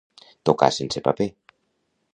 Tocar sense paper.